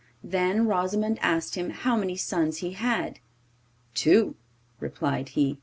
Then Rosimond asked him how many sons he had. 'Two,' replied he.